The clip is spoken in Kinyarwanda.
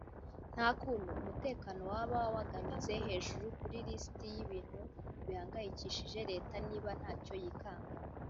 nta kuntu umutekano waba wagarutse hejuru kuri liste y’ibintu bihangayikishije leta niba ntacyo yikanga